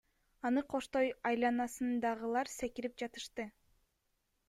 Аны коштой айланасындагылар секирип жатышты.